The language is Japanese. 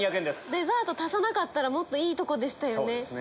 デザート足さなかったらもっといいとこでしたよね。